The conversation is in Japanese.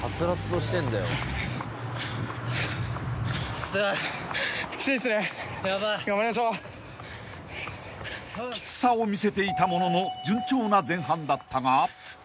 ［きつさを見せていたものの順調な前半だったが］